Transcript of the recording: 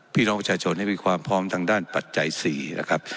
พี่น้องประชาชนให้มีความพร้อมทางด้านปัจจัย๔นะครับ